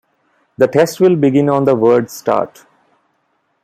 The test will begin on the word start.